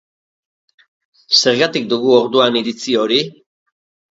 Zergatik dugu orduan iritzi hori?